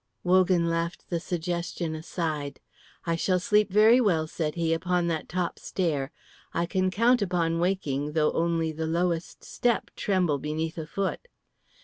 Wogan laughed the suggestion aside. "I shall sleep very well," said he, "upon that top stair. I can count upon waking, though only the lowest step tremble beneath a foot."